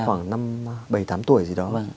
khoảng năm bảy tám tuổi gì đó